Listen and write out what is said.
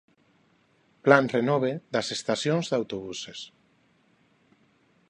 Plan Renove das estacións de autobuses.